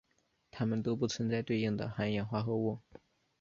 它们都不存在对应的含氧化合物。